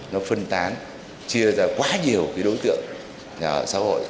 nó phân tán chia ra quá nhiều cái đối tượng nhà ở xã hội